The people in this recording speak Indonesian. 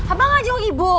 apa nggak jenguk ibu